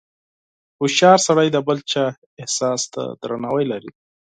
• هوښیار سړی د بل چا احساس ته احترام لري.